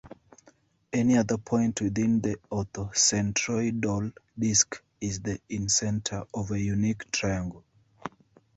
Any other point within the orthocentroidal disk is the incenter of a unique triangle.